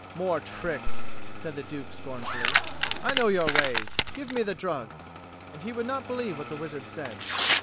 "More tricks!" said the Duke scornfully. "I know your ways. Give me the drug." And he would not believe what the wizard said.